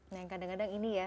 nah yang kadang kadang ini ya